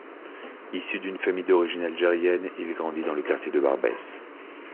Issu d'une famille d'origine algérienne, il grandit dans le quartier de Barbès.